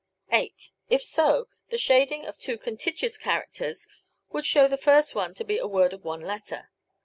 Eighth: If so, the shading of two contiguous characters would show the first one to be a word of one letter.